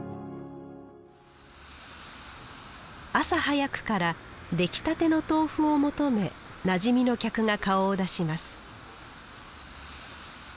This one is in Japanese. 朝早くから出来たての豆腐を求めなじみの客が顔を出します